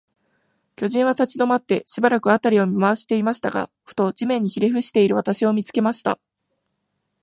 巨人は立ちどまって、しばらく、あたりを見まわしていましたが、ふと、地面にひれふしている私を、見つけました。